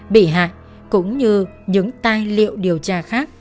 bị hại cũng như những tài liệu điều tra khác